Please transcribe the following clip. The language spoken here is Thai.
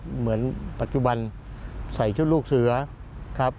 เหมือนปัจจุบันใส่ชุดลูกเสือครับ